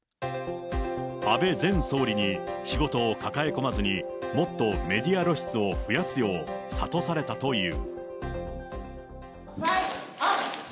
安倍前総理に仕事を抱え込まずに、もっとメディア露出を増やすよう、諭されたという。